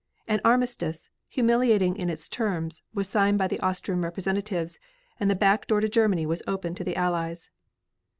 An armistice, humiliating in its terms, was signed by the Austrian representatives, and the back door to Germany was opened to the Allies.